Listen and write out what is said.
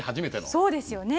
そうですよね。